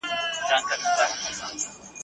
پک که ډاکتر وای اول به یې د خپل سر علاج کړی وای !.